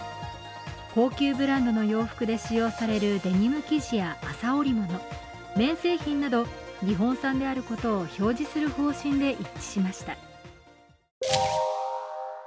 高級ブランドの洋服で使用されるデニム生地や麻織物、綿製品など、日本産であることを表示する方針で一致しました。